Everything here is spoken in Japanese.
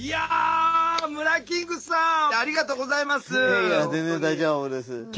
いえいえ全然大丈夫です。